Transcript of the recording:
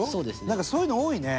なんか、そういうの多いね